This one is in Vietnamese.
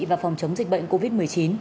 và phòng chống dịch bệnh covid một mươi chín